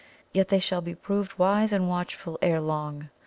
Yet they shall be proved wise and watchful ere long.